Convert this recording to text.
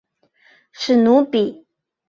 史努比。